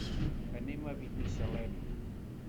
Anem a Binissalem.